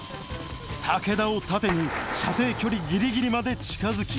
武田を盾に射程距離ギリギリまで近づき